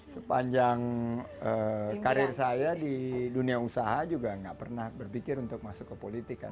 sepanjang karir saya di dunia usaha juga nggak pernah berpikir untuk masuk ke politik kan